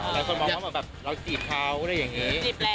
หลายคนมองว่าแบบเราจีบเขาอะไรอย่างนี้